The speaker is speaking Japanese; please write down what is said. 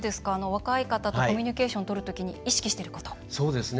若い方とコミュニケーションとる時に意識してること。